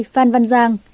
năm mươi phan văn giang